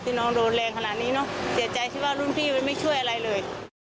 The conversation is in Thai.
น้องโดนแรงขนาดนี้เนอะเสียใจที่ว่ารุ่นพี่มันไม่ช่วยอะไรเลย